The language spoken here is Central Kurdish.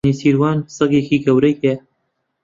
نێچیروان سەگێکی گەورەی هەیە.